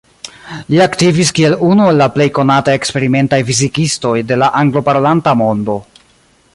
Li aktivis kiel unu el la plej konataj eksperimentaj fizikistoj de la anglo-parolanta mondo.